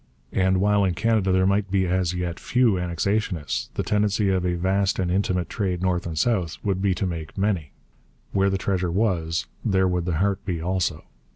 And while in Canada there might be as yet few annexationists, the tendency of a vast and intimate trade north and south would be to make many. Where the treasure was, there would the heart be also.